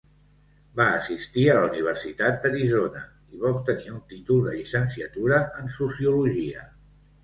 Va assistir a la Universitat d'Arizona i va obtenir un títol de llicenciatura en sociologia.